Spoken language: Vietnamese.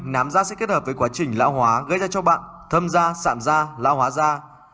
nám da sẽ kết hợp với quá trình lão hóa gây ra cho bạn thơm da sạm da lão hóa da